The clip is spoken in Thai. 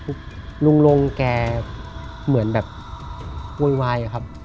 ลูกลงแกเหมือนแบบโว๊ยวายอะครับ